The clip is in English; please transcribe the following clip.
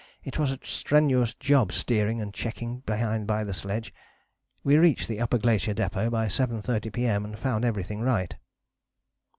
It was a strenuous job steering and checking behind by the sledge. We reached the Upper Glacier Depôt by 7.30 P.M. and found everything right."